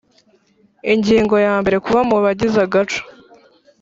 Ingingo ya mbere Kuba mu bagize agaco